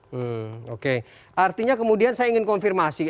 hmm oke artinya kemudian saya ingin konfirmasi